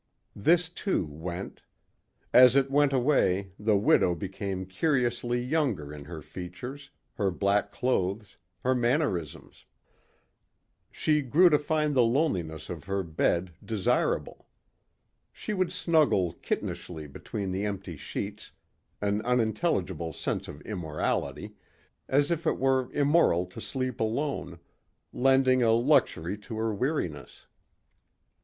This too went. As it went away the widow became curiously younger in her features, her black clothes, her mannerisms. She grew to find the loneliness of her bed desirable. She would snuggle kittenishly between the empty sheets, an unintelligible sense of immorality as if it were immoral to sleep alone lending a luxury to her weariness.